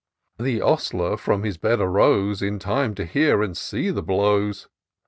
The ostler from his bed arose, In time to hear and see the blows. p.